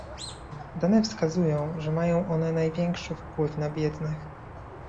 Dane wskazują, że mają one największy wpływ na biednych